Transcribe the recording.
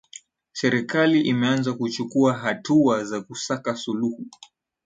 serikali imeanza kuchukua hatua za kusaka suluhu